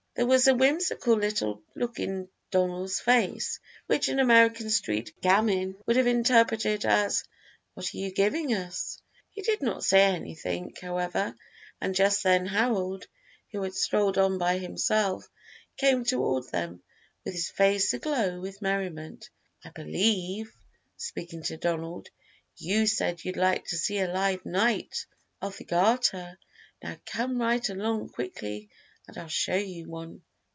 There was a whimsical little look in Donald's face, which an American street gamin would have interpreted as "what are you giving us?" He did not say anything, however; and just then Harold, who had strolled on by himself, came toward them, his face aglow with merriment. "I believe" speaking to Donald "you said you'd like to see a live Knight of the Garter; now come right along quickly and I'll show you one."